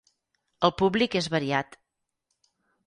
El públic és variat.